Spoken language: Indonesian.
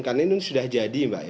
karena ini sudah jadi mbak